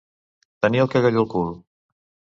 Tenir el cagalló al cul.